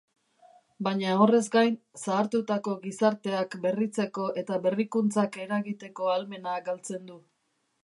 Baina horrez gain, zahartutako gizarteak berritzeko eta berrikuntzak eragiteko ahalmena galtzen du.